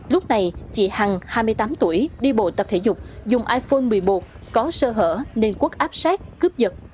lúc này chị hằng hai mươi tám tuổi đi bộ tập thể dục dùng iphone một mươi một có sơ hở nên quốc áp sát cướp giật